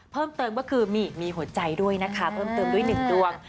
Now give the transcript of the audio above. เพิ่มเติมก็คือมีหัวใจด้วยนะคะเพิ่มเติมด้วย๑ดวง